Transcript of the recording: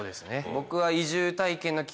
僕は。